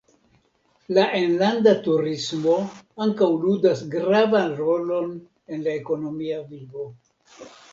La enlanda turismo ankaŭ ludas gravan rolon en la ekonomia vivo.